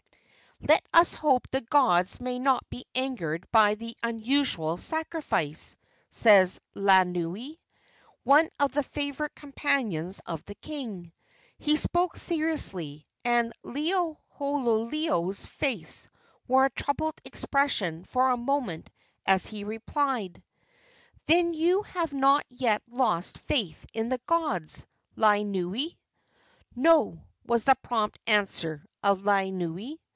"Let us hope the gods may not be angered by the unusual sacrifice," said Laanui, one of the favorite companions of the king. He spoke seriously, and Liholiho's face wore a troubled expression for a moment as he replied: "Then you have not yet lost faith in the gods, Laanui?" "No," was the prompt answer of Laanui.